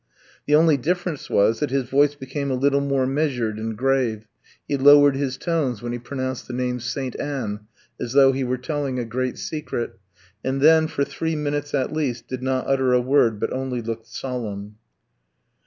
The only difference was, that his voice became a little more measured and grave; he lowered his tones when he pronounced the name "St. Anne," as though he were telling a great secret, and then, for three minutes at least, did not utter a word, but only looked solemn.